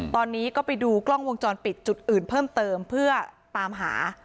ตอนนี้ก็ไปดูกล้องวงจรปิดจุดอื่นเพิ่มเติมเพื่อตามหา